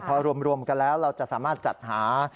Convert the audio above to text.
พอรวมกันแล้วเราจะสามารถจัดหา